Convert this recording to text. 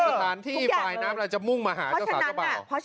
เอ่อฝรายกระทานที่ฝรายน้ำจะมุ่งมาอาหารเจ้าสาวเจ้าเปล่าหรอ